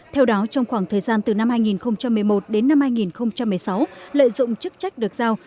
theo đó trong khoảng thời gian từ năm hai nghìn một mươi một đến năm hai nghìn một mươi sáu lợi dụng chức trách được giao